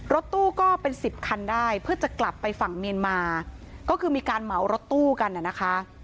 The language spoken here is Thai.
รถตู้ก็เป็นสิบคันได้เพื่อจะกลับไปฝั่งเมียนมาก็คือมีการเหมารถตู้กันน่ะนะคะ